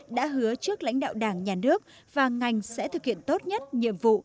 đã hứa trước lãnh đạo đảng nhà nước và ngành sẽ thực hiện tốt nhất nhiệm vụ